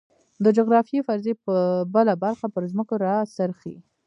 د جغرافیوي فرضیې بله برخه پر ځمکو راڅرخي.